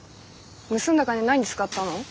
盗んだ金何に使ったの？